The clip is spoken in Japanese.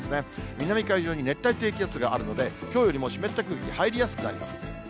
南海上に熱帯低気圧があるので、きょうよりも湿った空気入りやすくなります。